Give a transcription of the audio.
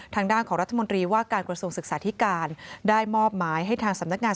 ทางด้านของรัฐมนตรีว่าการกระทรวงศึกษาธิการได้มอบหมายให้ทางสำนักงาน